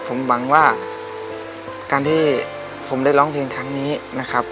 ผมหวังว่าการที่ผมได้ร้องเพลงครั้งนี้นะครับ